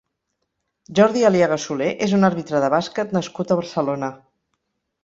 Jordi Aliaga Solé és un àrbitre de bàsquet nascut a Barcelona.